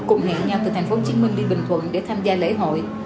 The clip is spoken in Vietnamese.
cùng hẹn nhau từ tp hcm đi bình thuận để tham gia lễ hội